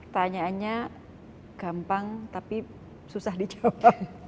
tanyaannya gampang tapi susah dijawab